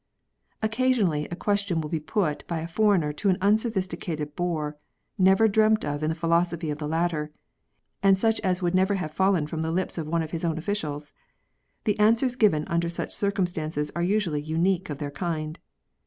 Occasionally a question will be put by a foreigner to an unsophisticated boor, never dreamt of in the philosophy of the latter, and such as would never have fallen from the lips of one of his own officials ; the answers given under such circumstances are usually unique of their kind.